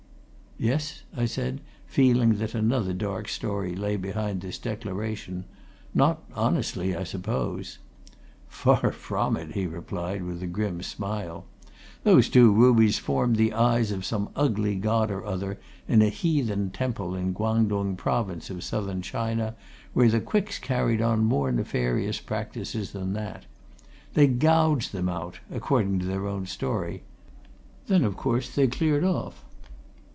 "Yes?" I said, feeling that another dark story lay behind this declaration. "Not honestly, I suppose?" "Far from it!" he replied, with a grim smile. "Those two rubies formed the eyes of some ugly god or other in a heathen temple in the Kwang Tung province of Southern China where the Quicks carried on more nefarious practices than that. They gouged them out according to their own story. Then, of course, they cleared off."